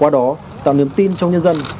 qua đó tạo niềm tin trong nhân dân